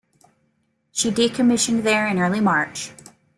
She decommissioned there in early March.